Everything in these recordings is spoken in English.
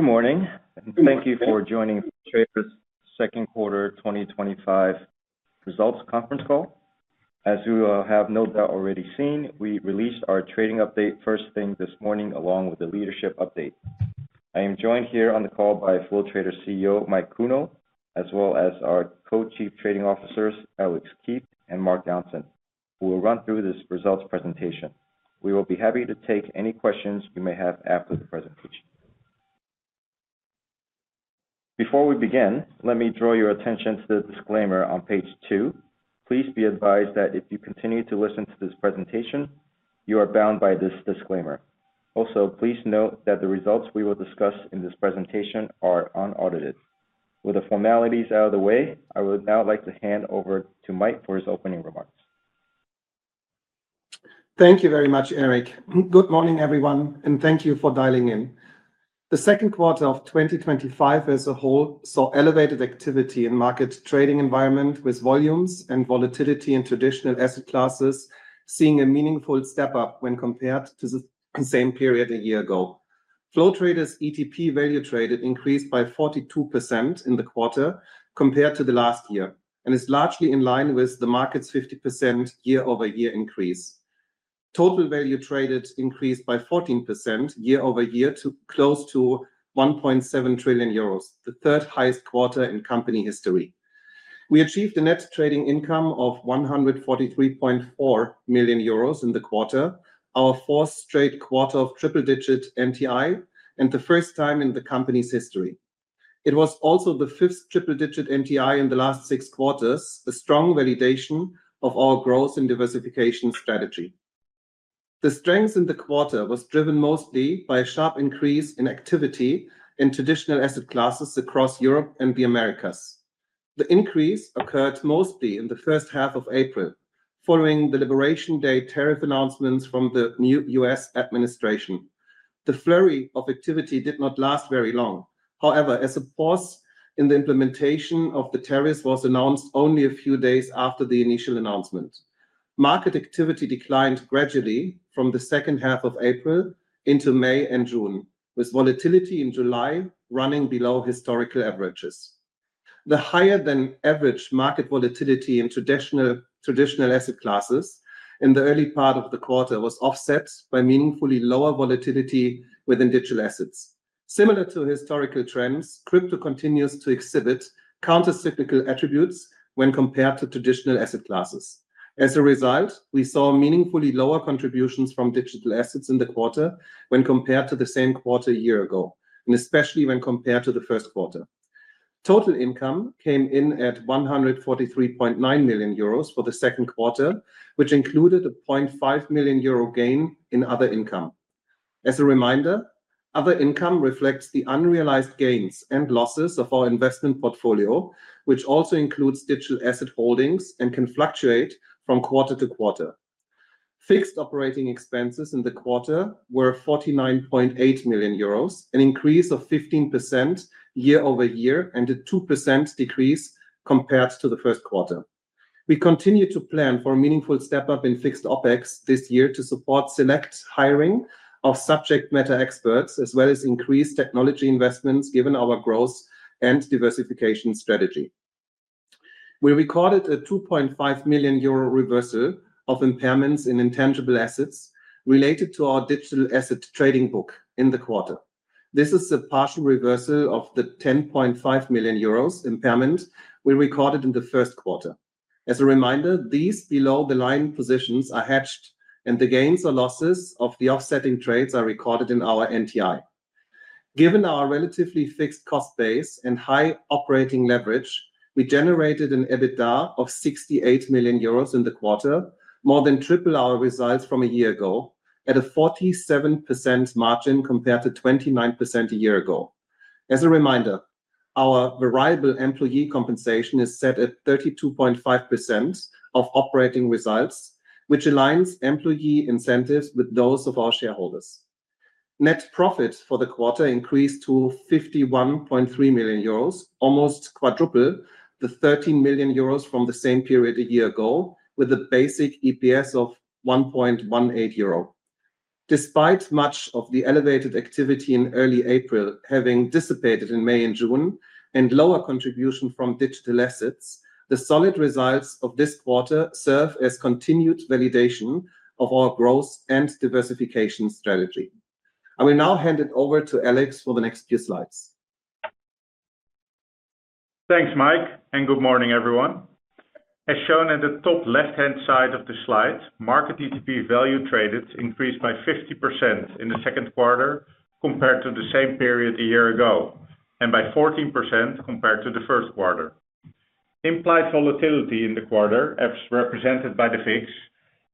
Good morning and thank you for joining Flow Traders' second quarter 2025 results conference call. As you have no doubt already seen, we released our trading update first thing this morning, along with the leadership update. I am joined here on the call by Flow Traders' CEO Mike Kuehnel, as well as our Co-Chief Trading Officers, Alex Kieft and Marc Jansen, who will run through this results presentation. We will be happy to take any questions you may have after the presentation. Before we begin, let me draw your attention to the disclaimer on page two. Please be advised that if you continue to listen to this presentation, you are bound by this disclaimer. Also, please note that the results we will discuss in this presentation are unaudited. With the formalities out of the way, I would now like to hand over to Mike for his opening remarks. Thank you very much, Eric. Good morning, everyone, and thank you for dialing in. The second quarter of 2025 as a whole saw elevated activity in the market trading environment, with volumes and volatility in traditional asset classes seeing a meaningful step up when compared to the same period a year ago. Flow Traders' ETP value traded increased by 42% in the quarter compared to last year and is largely in line with the market's 50% year-over-year increase. Total value traded increased by 14% year-over-year to close to 1.7 trillion euros, the third highest quarter in company history. We achieved a net trading income of 143.4 million euros in the quarter, our fourth straight quarter of triple-digit NTI, and the first time in the company's history. It was also the fifth triple-digit NTI in the last six quarters, a strong validation of our growth and diversification strategy. The strength in the quarter was driven mostly by a sharp increase in activity in traditional asset classes across Europe and the Americas. The increase occurred mostly in the first half of April, following the Liberation Day tariff announcements from the new U.S. administration. The flurry of activity did not last very long, however, a pause in the implementation of the tariffs was announced only a few days after the initial announcement. Market activity declined gradually from the second half of April into May and June, with volatility in July running below historical averages. The higher-than-average market volatility in traditional asset classes in the early part of the quarter was offset by meaningfully lower volatility within digital assets. Similar to historical trends, crypto continues to exhibit countercyclical attributes when compared to traditional asset classes. As a result, we saw meaningfully lower contributions from digital assets in the quarter when compared to the same quarter a year ago, and especially when compared to the first quarter. Total income came in at 143.9 million euros for the second quarter, which included a 0.5 million euro gain in other income. As a reminder, other income reflects the unrealized gains and losses of our investment portfolio, which also includes digital asset holdings and can fluctuate from quarter to quarter. Fixed operating expenses in the quarter were 49.8 million euros, an increase of 15% year-over-year and a 2% decrease compared to the first quarter. We continue to plan for a meaningful step up in fixed OpEx this year to support select hiring of subject matter experts, as well as increase technology investments given our growth and diversification strategy. We recorded a 2.5 million euro reversal of impairments in intangible assets related to our digital assets trading book in the quarter. This is a partial reversal of the 10.5 million euros impairment we recorded in the first quarter. As a reminder, these below-the-line positions are hedged, and the gains or losses of the offsetting trades are recorded in our NTI. Given our relatively fixed cost base and high operating leverage, we generated an EBITDA of 68 million euros in the quarter, more than triple our results from a year ago, at a 47% margin compared to 29% a year ago. As a reminder, our variable employee compensation is set at 32.5% of operating results, which aligns employee incentives with those of our shareholders. Net profit for the quarter increased to 51.3 million euros, almost quadruple the 13 million euros from the same period a year ago, with a basic EPS of 1.18 euro. Despite much of the elevated activity in early April having dissipated in May and June, and lower contribution from digital assets, the solid results of this quarter serve as continued validation of our growth and diversification strategy. I will now hand it over to Alex for the next few slides. Thanks, Mike, and good morning, everyone. As shown at the top left-hand side of the slide, market ETP value traded increased by 50% in the second quarter compared to the same period a year ago, and by 14% compared to the first quarter. Implied volatility in the quarter, as represented by the VIX,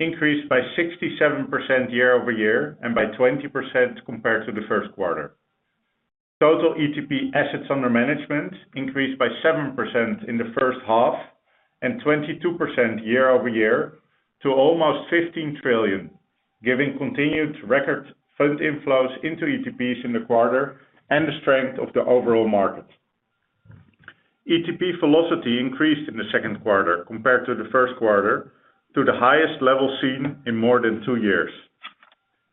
increased by 67% year-over-year and by 20% compared to the first quarter. Total ETP assets under management increased by 7% in the first half and 22% year-over-year to almost 15 trillion, giving continued record fund inflows into ETPs in the quarter and the strength of the overall market. ETP velocity increased in the second quarter compared to the first quarter to the highest level seen in more than two years.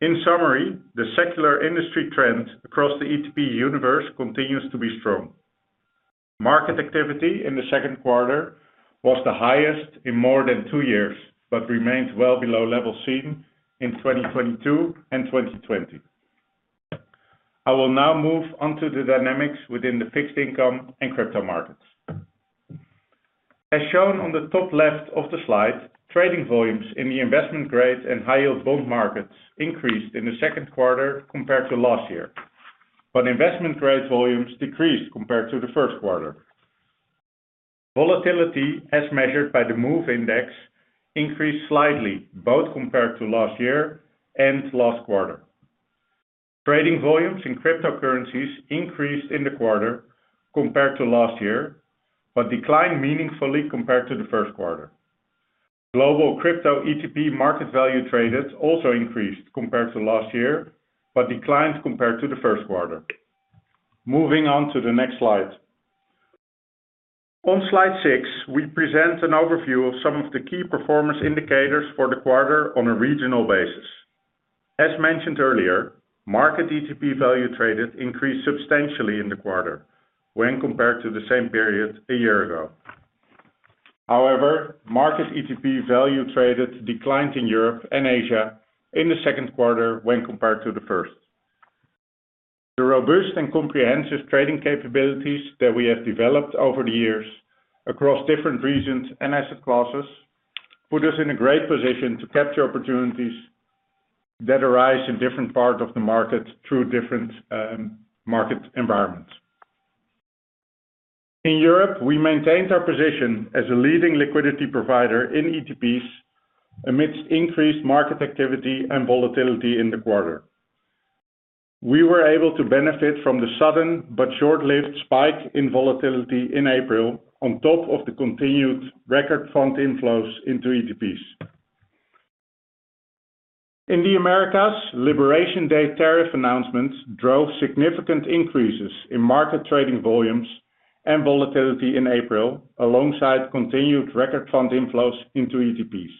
In summary, the secular industry trend across the ETP universe continues to be strong. Market activity in the second quarter was the highest in more than two years, but remained well below levels seen in 2022 and 2020. I will now move on to the dynamics within the fixed income and crypto markets. As shown on the top left of the slide, trading volumes in the investment-grade and high-yield bond markets increased in the second quarter compared to last year, but investment-grade volumes decreased compared to the first quarter. Volatility, as measured by the MOVE index, increased slightly both compared to last year and last quarter. Trading volumes in cryptocurrencies increased in the quarter compared to last year, but declined meaningfully compared to the first quarter. Global crypto ETP market value traded also increased compared to last year, but declined compared to the first quarter. Moving on to the next slide. On slide six, we present an overview of some of the key performance indicators for the quarter on a regional basis. As mentioned earlier, market ETP value traded increased substantially in the quarter when compared to the same period a year ago. However, market ETP value traded declined in Europe and Asia in the second quarter when compared to the first. The robust and comprehensive trading capabilities that we have developed over the years across different regions and asset classes put us in a great position to capture opportunities that arise in different parts of the market through different market environments. In Europe, we maintained our position as a leading liquidity provider in ETPs amidst increased market activity and volatility in the quarter. We were able to benefit from the sudden but short-lived spike in volatility in April, on top of the continued record fund inflows into ETPs. In the Americas, Liberation Day tariff announcements drove significant increases in market trading volumes and volatility in April, alongside continued record fund inflows into ETPs.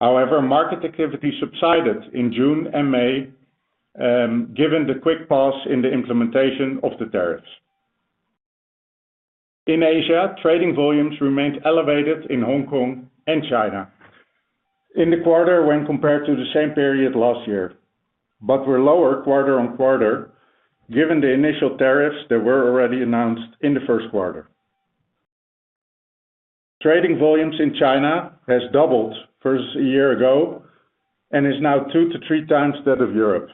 However, market activity subsided in May and June, given the quick pause in the implementation of the tariffs. In Asia, trading volumes remained elevated in Hong Kong and China in the quarter when compared to the same period last year, but were lower quarter on quarter given the initial tariffs that were already announced in the first quarter. Trading volumes in China have doubled versus a year ago and are now two to three times that of Europe.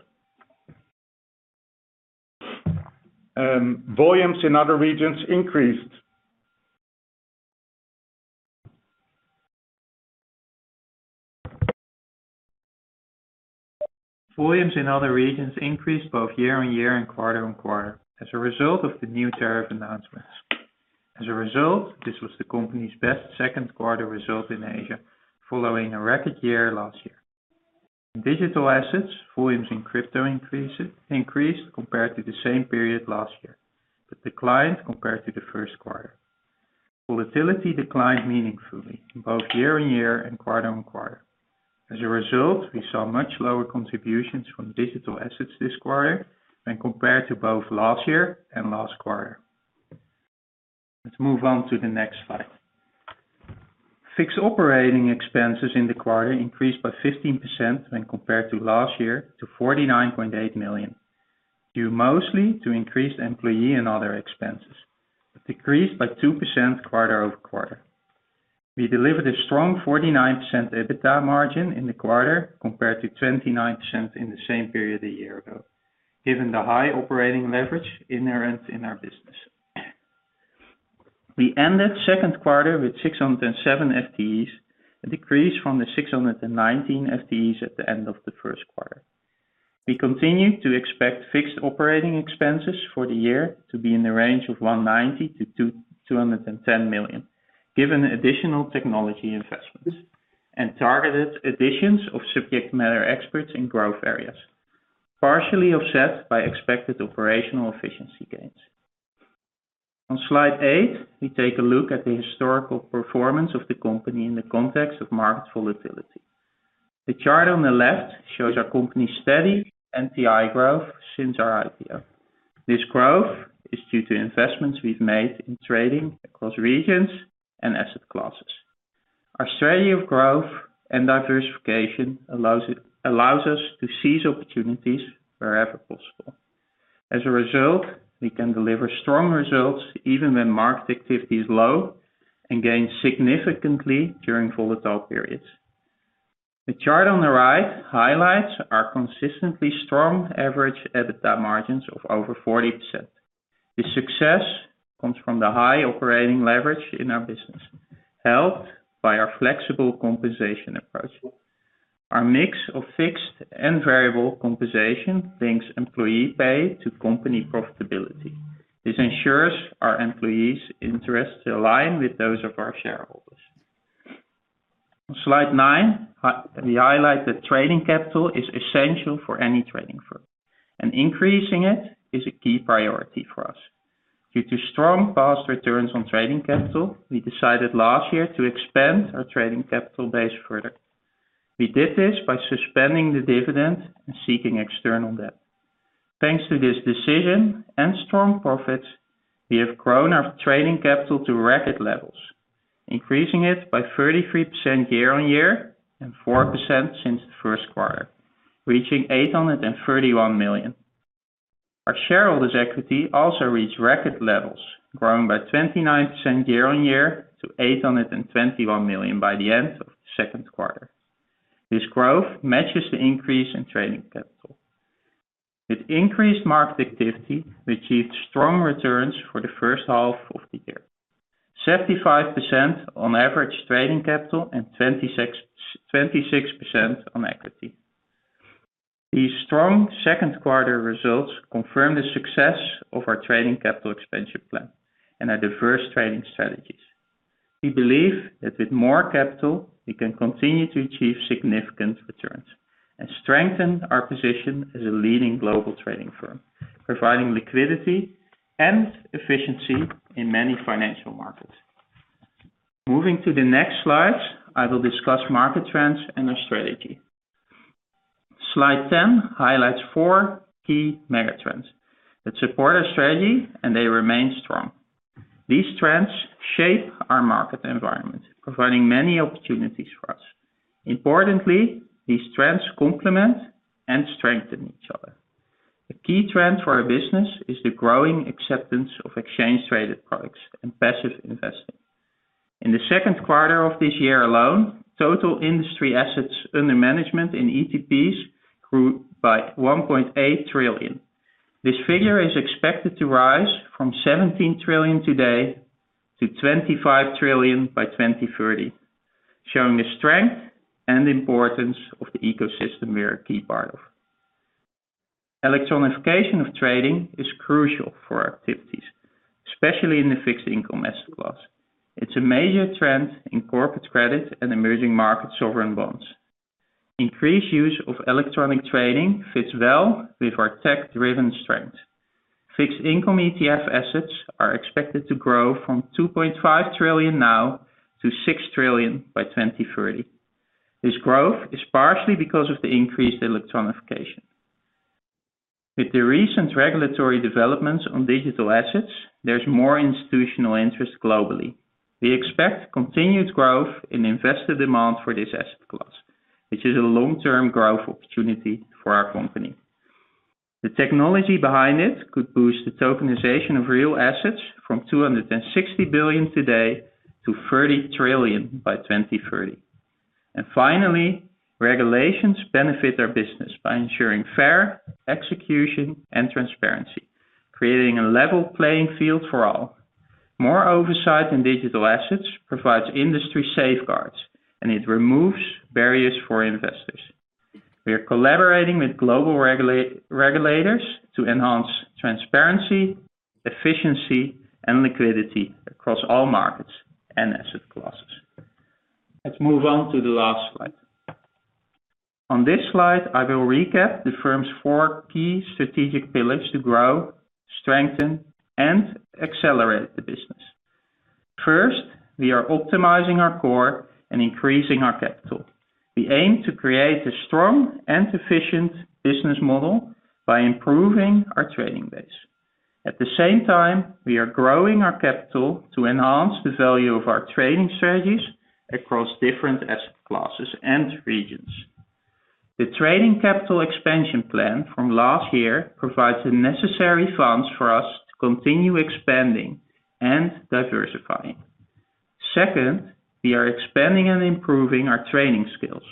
Volumes in other regions increased. Volumes in other regions increased both year-on-year and quarter on quarter as a result of the new tariff announcements. As a result, this was the company's best second quarter result in Asia, following a record year last year. In digital assets, volumes in crypto increased compared to the same period last year, but declined compared to the first quarter. Volatility declined meaningfully both year-on-year and quarter on quarter. As a result, we saw much lower contributions from digital assets this quarter when compared to both last year and last quarter. Let's move on to the next slide. Fixed operating expenses in the quarter increased by 15% when compared to last year to 49.8 million, due mostly to increased employee and other expenses, but decreased by 2% quarter-over-quarter. We delivered a strong 49% EBITDA margin in the quarter compared to 29% in the same period a year ago, given the high operating leverage inherent in our business. We ended the second quarter with 607 FTEs, a decrease from the 619 FTEs at the end of the first quarter. We continue to expect fixed operating expenses for the year to be in the range of 190-210 million, given additional technology investments and targeted additions of subject matter experts in growth areas, partially offset by expected operational efficiency gains. On slide eight, we take a look at the historical performance of the company in the context of market volatility. The chart on the left shows our company's steady NTI growth since our IPO. This growth is due to investments we've made in trading across regions and asset classes. Our strategy of growth and diversification allows us to seize opportunities wherever possible. As a result, we can deliver strong results even when market activity is low and gain significantly during volatile periods. The chart on the right highlights our consistently strong average EBITDA margins of over 40%. This success comes from the high operating leverage in our business, helped by our flexible compensation approach. Our mix of fixed and variable compensation links employee pay to company profitability. This ensures our employees' interests align with those of our shareholders. On slide nine, we highlight that trading capital is essential for any trading firm, and increasing it is a key priority for us. Due to strong past returns on trading capital, we decided last year to expand our trading capital base further. We did this by suspending the dividend and seeking external debt. Thanks to this decision and strong profits, we have grown our trading capital to record levels, increasing it by 33% year-on-year and 4% since the first quarter, reaching 831 million. Our shareholders' equity also reached record levels, growing by 29% year-on-year to 821 million by the end of the second quarter. This growth matches the increase in trading capital. With increased market activity, we achieved strong returns for the first half of the year, 75% on average trading capital and 26% on equity. These strong second quarter results confirm the success of our trading capital expansion plan and our diverse trading strategies. We believe that with more capital, we can continue to achieve significant returns and strengthen our position as a leading global trading firm, providing liquidity and efficiency in many financial markets. Moving to the next slide, I will discuss market trends and our strategy. Slide ten highlights four key megatrends that support our strategy, and they remain strong. These trends shape our market environment, providing many opportunities for us. Importantly, these trends complement and strengthen each other. A key trend for our business is the growing acceptance of exchange-traded products and passive investing. In the second quarter of this year alone, total industry assets under management in ETPs grew by 1.8 trillion. This figure is expected to rise from 17 trillion today to 25 trillion by 2030, showing the strength and importance of the ecosystem we are a key part of. Electronification of trading is crucial for our activities, especially in the fixed income asset class. It's a major trend in corporate credit and emerging market sovereign bonds. Increased use of electronic trading fits well with our tech-driven strength. Fixed income ETF assets are expected to grow from 2.5 trillion now to 6 trillion by 2030. This growth is partially because of the increased electronification. With the recent regulatory developments on digital assets, there's more institutional interest globally. We expect continued growth in investor demand for this asset class, which is a long-term growth opportunity for our company. The technology behind it could boost the tokenization of real assets from 260 billion today to 30 trillion by 2030. Finally, regulations benefit our business by ensuring fair execution and transparency, creating a level playing field for all. More oversight in digital assets provides industry safeguards, and it removes barriers for investors. We are collaborating with global regulators to enhance transparency, efficiency, and liquidity across all markets and asset classes. Let's move on to the last slide. On this slide, I will recap the firm's four key strategic pillars to grow, strengthen, and accelerate the business. First, we are optimizing our core and increasing our capital. We aim to create a strong and efficient business model by improving our trading base. At the same time, we are growing our capital to enhance the value of our trading strategies across different asset classes and regions. The trading capital expansion plan from last year provides the necessary funds for us to continue expanding and diversifying. Second, we are expanding and improving our trading skills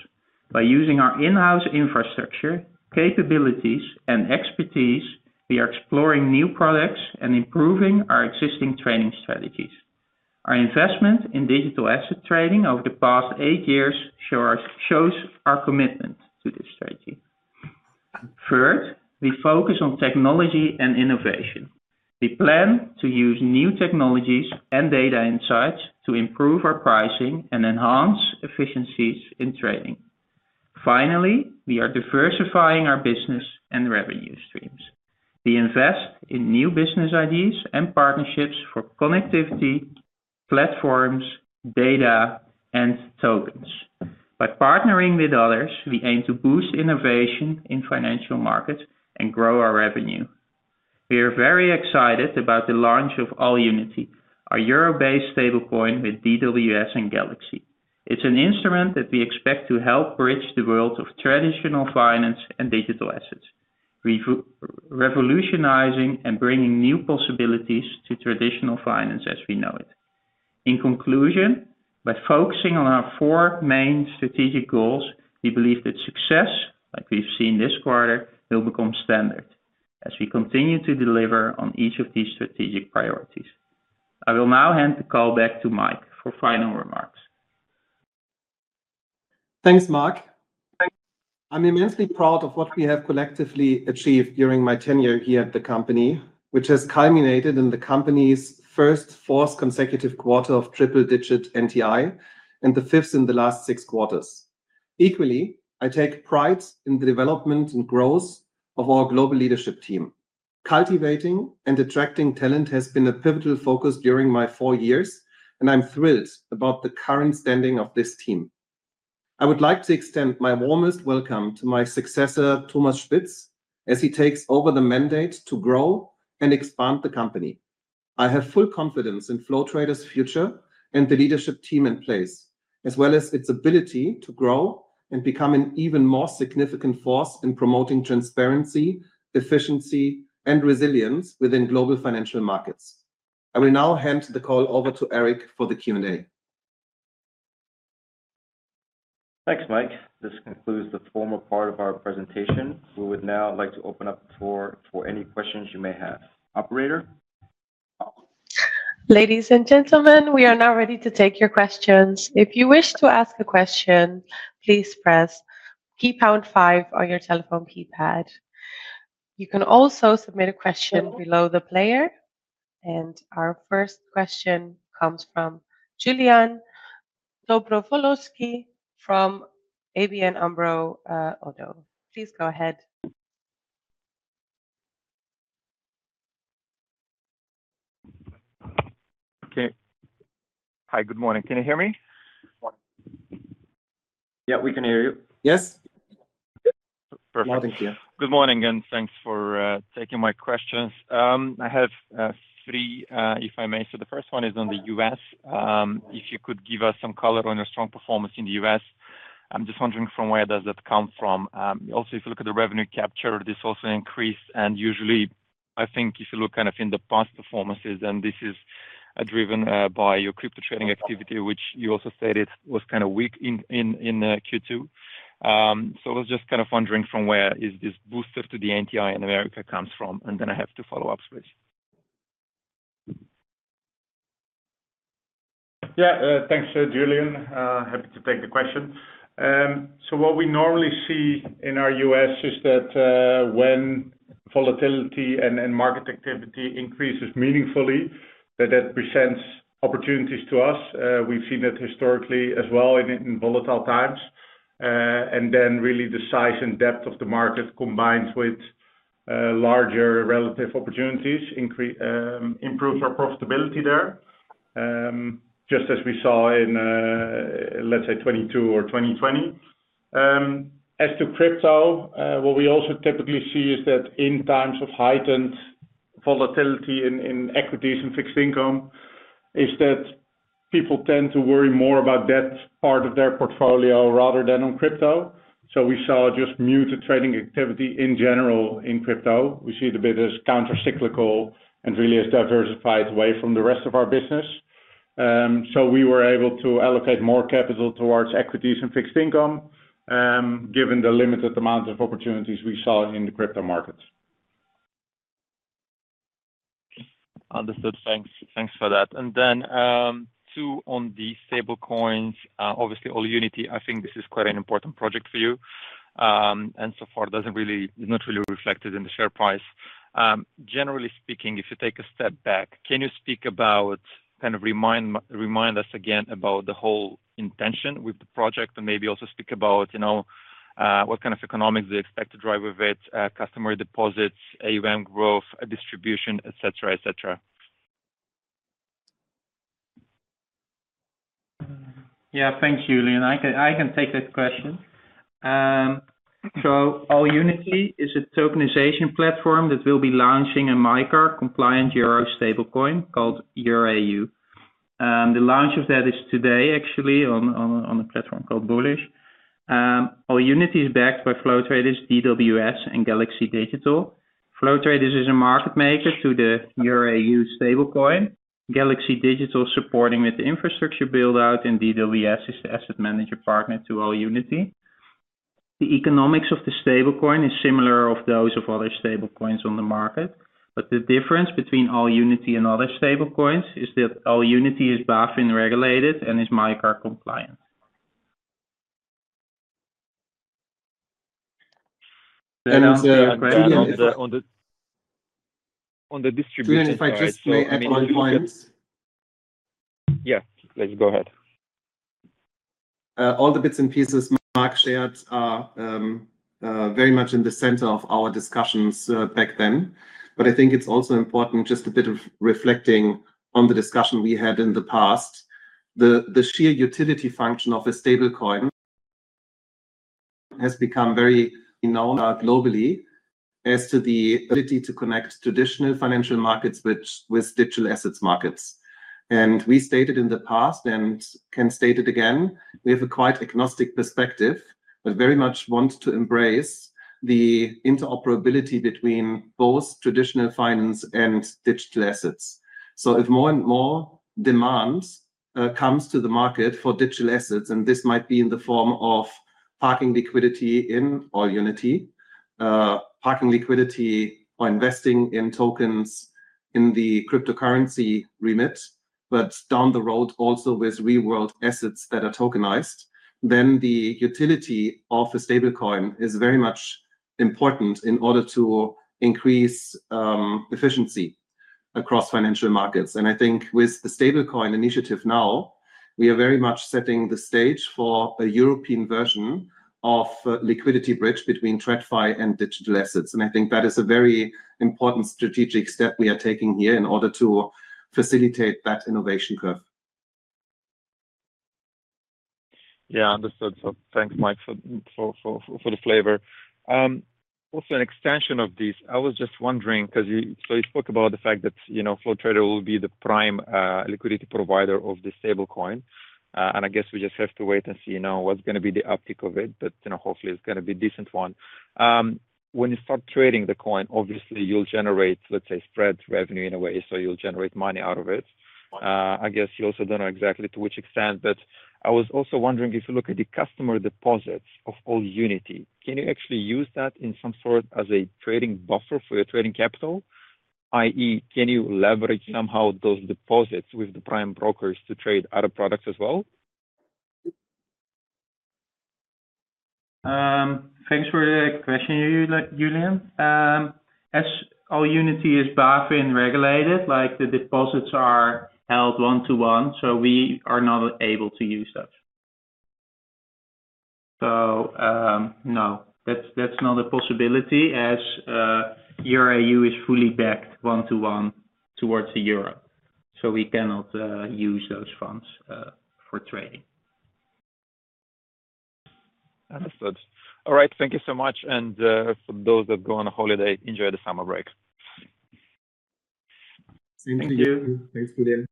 by using our in-house infrastructure, capabilities, and expertise. We are exploring new products and improving our existing trading strategies. Our investment in digital assets trading over the past eight years shows our commitment to this strategy. Third, we focus on technology and innovation. We plan to use new technologies and data insights to improve our pricing and enhance efficiencies in trading. Finally, we are diversifying our business and revenue streams. We invest in new business ideas and partnerships for connectivity, platforms, data, and tokens. By partnering with others, we aim to boost innovation in financial markets and grow our revenue. We are very excited about the launch of AllUnity, our Euro-based stablecoin with DWS and Galaxy Digital. It's an instrument that we expect to help bridge the world of traditional finance and digital assets, revolutionizing and bringing new possibilities to traditional finance as we know it. In conclusion, by focusing on our four main strategic goals, we believe that success, like we've seen this quarter, will become standard as we continue to deliver on each of these strategic priorities. I will now hand the call back to Mike for final remarks. Thanks, Marc. I'm immensely proud of what we have collectively achieved during my tenure here at the company, which has culminated in the company's first four consecutive quarters of triple-digit NTI and the fifth in the last six quarters. Equally, I take pride in the development and growth of our global leadership team. Cultivating and attracting talent has been a pivotal focus during my four years, and I'm thrilled about the current standing of this team. I would like to extend my warmest welcome to my successor, Thomas Spitz, as he takes over the mandate to grow and expand the company. I have full confidence in Flow Traders' future and the leadership team in place, as well as its ability to grow and become an even more significant force in promoting transparency, efficiency, and resilience within global financial markets. I will now hand the call over to Eric for the Q&A. Thanks, Mike. This concludes the formal part of our presentation. We would now like to open up the floor for any questions you may have. Operator? Ladies and gentlemen, we are now ready to take your questions. If you wish to ask a question, please press pound five on your telephone keypad. You can also submit a question below the player. Our first question comes from Julian Dobrowolski from ABN AMRO ODDO. Please go ahead. Okay. Hi, good morning. Can you hear me? Yeah, we can hear you. Yes. Perfect. Thank you. Good morning, and thanks for taking my questions. I have three, if I may. The first one is on the U.S. If you could give us some color on your strong performance in the U.S., I'm just wondering from where does that come from? Also, if you look at the revenue capture, this also increased. Usually, I think if you look kind of in the past performances, then this is driven by your crypto trading activity, which you also stated was kind of weak in Q2. I was just kind of wondering from where this booster to the NTI in Americas comes from. I have two follow-ups for you. Yeah, thanks, Julian. Happy to take the question. What we normally see in our U.S. is that when volatility and market activity increases meaningfully, that presents opportunities to us. We've seen that historically as well in volatile times. The size and depth of the market combined with larger relative opportunities improves our profitability there, just as we saw in, let's say, 2022 or 2020. As to crypto, what we also typically see is that in times of heightened volatility in equities and fixed income, people tend to worry more about that part of their portfolio rather than on crypto. We saw just muted trading activity in general in crypto. We see the bit as countercyclical and really as diversified away from the rest of our business. We were able to allocate more capital towards equities and fixed income, given the limited amount of opportunities we saw in the crypto markets. Understood. Thanks. Thanks for that. Two on the stablecoins, obviously AllUnity. I think this is quite an important project for you. So far, it doesn't really, it's not really reflected in the share price. Generally speaking, if you take a step back, can you speak about, kind of remind us again about the whole intention with the project and maybe also speak about, you know, what kind of economics do you expect to drive with it, customer deposits, AUM growth, distribution, etc.? Yeah, thanks, Julian. I can take that question. AllUnity is a tokenization platform that will be launching a MiCA compliant Euro stablecoin called EuroAU. The launch of that is today, actually, on a platform called Bullish. AllUnity is backed by Flow Traders, DWS, and Galaxy Digital. Flow Traders Ltd is a market maker to the EuroAU stablecoin. Galaxy Digital is supporting with the infrastructure build-out, and DWS is the asset manager partner to AllUnity. The economics of the stablecoin are similar to those of other stablecoins on the market. The difference between AllUnity and other stablecoins is that AllUnity is BaFin regulated and is MiCA compliant. On the distribution, if I just say at one point. Yeah, please go ahead. All the bits and pieces Marc shared are very much in the center of our discussions back then. I think it's also important, just a bit of reflecting on the discussion we had in the past. The sheer utility function of a stablecoin has become very known globally as to the ability to connect traditional financial markets with digital assets markets. We stated in the past and can state it again, we have a quite agnostic perspective but very much want to embrace the interoperability between both traditional finance and digital assets. If more and more demand comes to the market for digital assets, and this might be in the form of parking liquidity in AllUnity, parking liquidity or investing in tokens in the cryptocurrency remit, but down the road also with real-world assets that are tokenized, then the utility of a stablecoin is very much important in order to increase efficiency across financial markets. I think with the stablecoin initiative now, we are very much setting the stage for a European version of a liquidity bridge between TradFi and digital assets. I think that is a very important strategic step we are taking here in order to facilitate that innovation curve. Yeah, understood. Thanks, Mike, for the flavor. Also, an extension of this, I was just wondering, because you spoke about the fact that Flow Traders will be the prime liquidity provider of the stablecoin. I guess we just have to wait and see now what's going to be the uptick of it, but hopefully it's going to be a decent one. When you start trading the coin, obviously you'll generate, let's say, spread revenue in a way, so you'll generate money out of it. I guess you also don't know exactly to which extent, but I was also wondering if you look at the customer deposits of AllUnity, can you actually use that in some sort of a trading buffer for your trading capital? I.e., can you leverage somehow those deposits with the prime brokers to trade other products as well? Thanks for the question, Julian. As AllUnity is BaFin regulated, the deposits are held one-to-one, so we are not able to use that. No, that's not a possibility as EuroAU is fully backed one-to-one towards the Euro. We cannot use those funds for trading. Understood. All right, thank you so much. For those that go on a holiday, enjoy the summer break. Same to you. Thanks, Julian.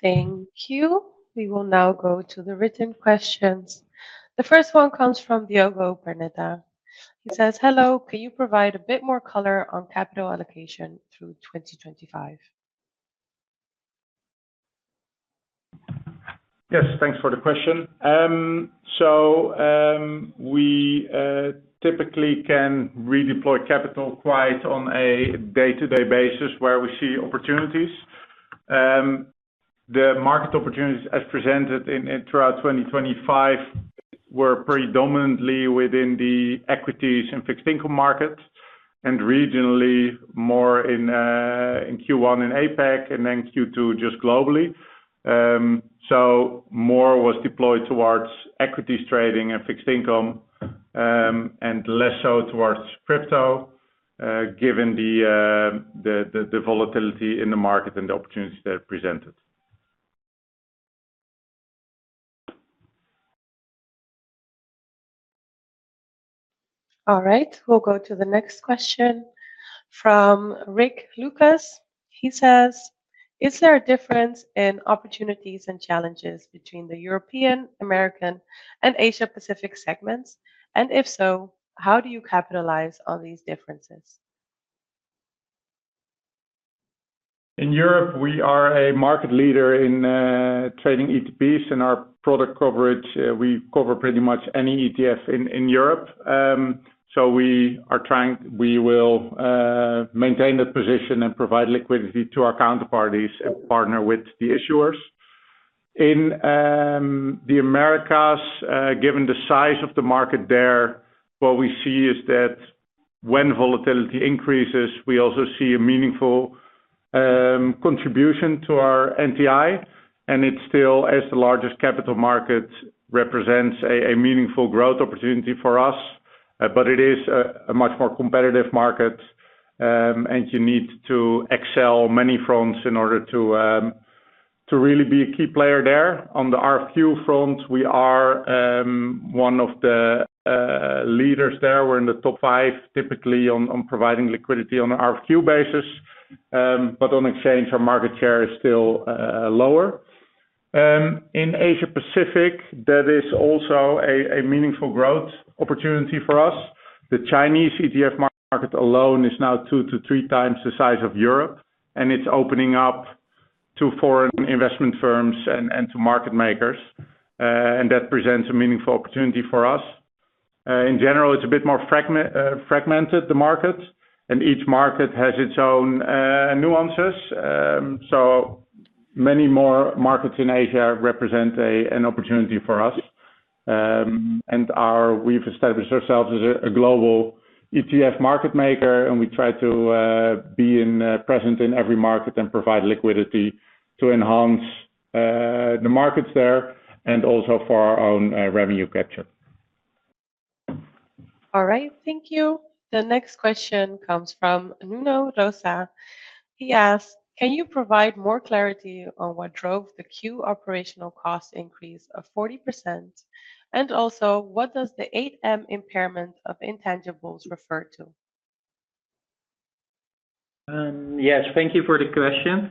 Thank you. We will now go to the written questions. The first one comes from Diogo Perneta. He says, "Hello, can you provide a bit more color on capital allocation through 2025? Yes, thanks for the question. We typically can redeploy capital quite on a day-to-day basis where we see opportunities. The market opportunities as presented throughout 2025 were predominantly within the equities and fixed income markets, and regionally more in Q1 in Asia and then Q2 just globally. More was deployed towards equities trading and fixed income and less so towards crypto, given the volatility in the market and the opportunities that are presented. All right, we'll go to the next question from Rick Lucas. He says, "Is there a difference in opportunities and challenges between the European, American, and Asia-Pacific segments? If so, how do you capitalize on these differences? In Europe, we are a market leader in trading ETPs and our product coverage. We cover pretty much any ETF in Europe. We are trying to maintain that position and provide liquidity to our counterparties and partner with the issuers. In the Americas, given the size of the market there, what we see is that when volatility increases, we also see a meaningful contribution to our NTI. It still, as the largest capital market, represents a meaningful growth opportunity for us. It is a much more competitive market, and you need to excel on many fronts in order to really be a key player there. On the RFQ front, we are one of the leaders there. We're in the top five, typically on providing liquidity on an RFQ basis. On exchange, our market share is still lower. In Asia, that is also a meaningful growth opportunity for us. The Chinese ETF market alone is now two to three times the size of Europe, and it's opening up to foreign investment firms and to market makers. That presents a meaningful opportunity for us. In general, it's a bit more fragmented, the markets, and each market has its own nuances. Many more markets in Asia represent an opportunity for us. We've established ourselves as a global ETF market maker, and we try to be present in every market and provide liquidity to enhance the markets there and also for our own revenue capture. All right, thank you. The next question comes from Nuno Rosa. He asks, "Can you provide more clarity on what drove the Q operational cost increase of 40%? Also, what does the 8 million impairment of intangibles refer to? Yes, thank you for the question.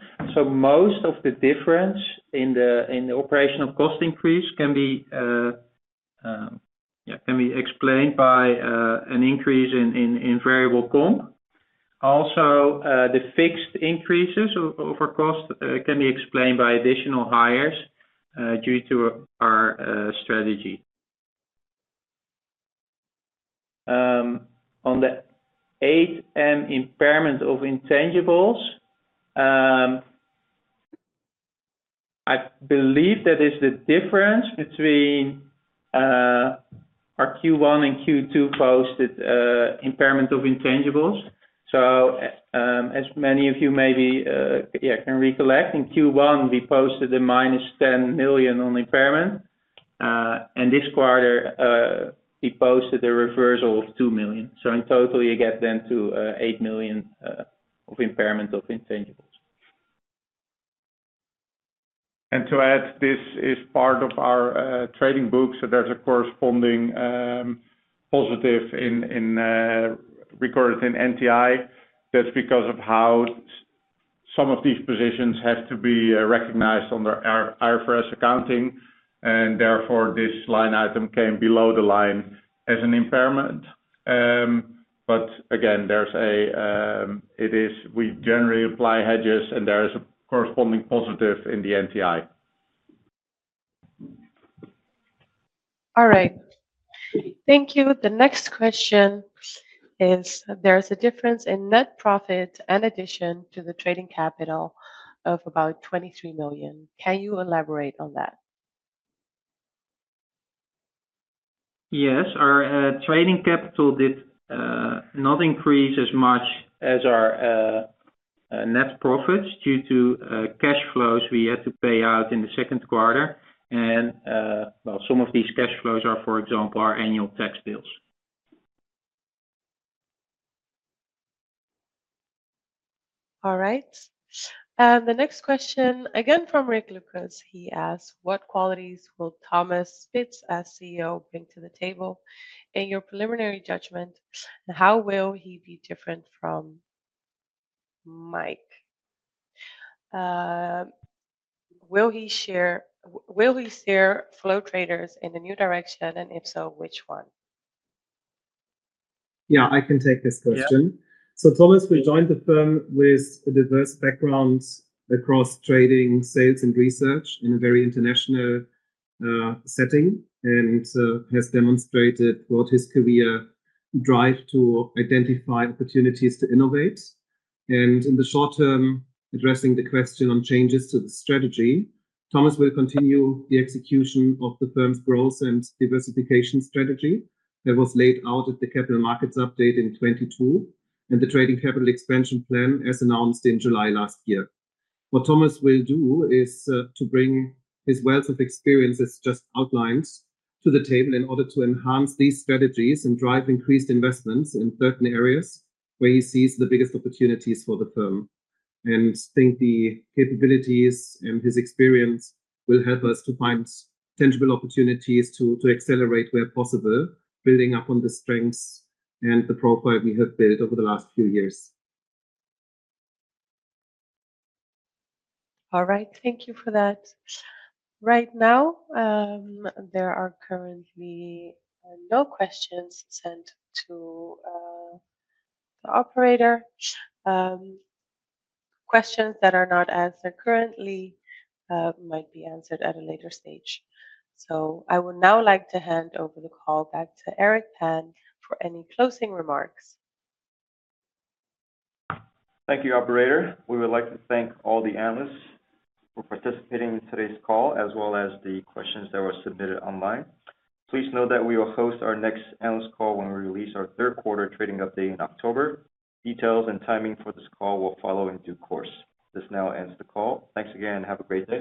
Most of the difference in the operational cost increase can be explained by an increase in variable comp. The fixed increases over cost can be explained by additional hires due to our strategy. On the 8 million impairment of intangibles, I believe that is the difference between our Q1 and Q2 posted impairment of intangibles. As many of you can recollect, in Q1, we posted a -10 million on impairment. This quarter, we posted a reversal of 2 million. In total, you get to 8 million of impairment of intangibles. To add, this is part of our trading book. There's a corresponding positive recorded in NTI. That's because of how some of these positions have to be recognized under IFRS accounting. Therefore, this line item came below the line as an impairment. Again, we generally apply hedges, and there's a corresponding positive in the NTI. All right. Thank you. The next question is, "There's a difference in net profits in addition to the trading capital of about $23 million. Can you elaborate on that? Yes, our trading capital did not increase as much as our net profits due to cash flows we had to pay out in the second quarter. Some of these cash flows are, for example, our annual tax bills. All right. The next question, again from Rick Lucas, he asks, "What qualities will Thomas Spitz as CEO bring to the table in your preliminary judgment, and how will he be different from Mike? Will he steer Flow Traders in the new direction, and if so, which one? Yeah, I can take this question. Thomas will join the firm with diverse backgrounds across trading, sales, and research in a very international setting and has demonstrated throughout his career a drive to identify opportunities to innovate. In the short term, addressing the question on changes to the strategy, Thomas will continue the execution of the firm's growth and diversification strategy that was laid out at the Capital Markets Update in 2022 and the Trading Capital Expansion Plan as announced in July last year. What Thomas will do is to bring his wealth of experiences just outlined to the table in order to enhance these strategies and drive increased investments in certain areas where he sees the biggest opportunities for the firm. I think the capabilities and his experience will help us to find tangible opportunities to accelerate where possible, building up on the strengths and the profile we have built over the last few years. All right, thank you for that. Right now, there are currently no questions sent to the operator. Questions that are not answered currently might be answered at a later stage. I would now like to hand over the call back to Eric Pan for any closing remarks. Thank you, operator. We would like to thank all the analysts for participating in today's call, as well as the questions that were submitted online. Please note that we will host our next analyst call when we release our third quarter trading update in October. Details and timing for this call will follow in due course. This now ends the call. Thanks again, and have a great day.